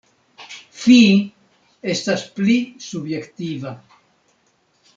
Fi estas pli subjektiva.